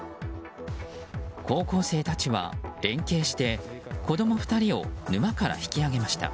高校生たちは連係して子供２人を沼から引き上げました。